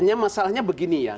hanya masalahnya begini ya